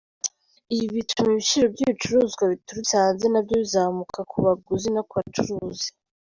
Ibi bituma ibiciro by’ibicuruzwa biturutse hanze nabyo bizamuka ku baguzi no ku bacuruzi.